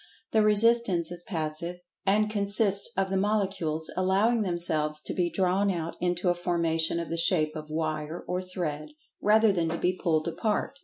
The resistance is "passive," and consists of the Molecules allowing themselves to be drawn out into a formation of the shape of wire or thread, rather than to be pulled apart.